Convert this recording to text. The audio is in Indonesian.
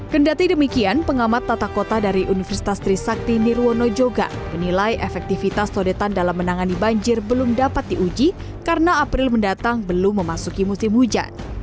kendati demikian pengamat tata kota dari universitas trisakti nirwono juga menilai efektivitas sodetan dalam menangani banjir belum dapat diuji karena april mendatang belum memasuki musim hujan